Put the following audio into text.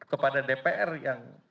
kepada dpr yang